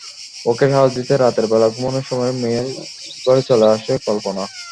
ওকে সাহস দিতে রাতের বেলা ঘুমানোর সময় মেয়ের ঘরে চলে আসে কল্পনা।